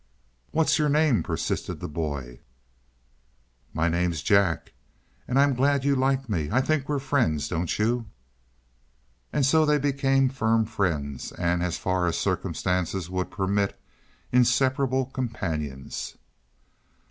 "What's your name?" persisted the boy. "My name's Jack. And I'm glad you like me. I think we're friends, don't you?" And so they became firm friends, and, as far as circumstances would permit, inseparable companions.